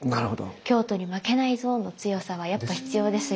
京都に負けないぞ！の強さはやっぱ必要ですよね。